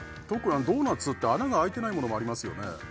ドーナツって穴があいてないものもありますよね